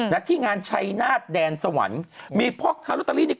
นักที่งานชัยนาธิ์แดนสวรรค์มีพล็อกทางโรตเตอรี่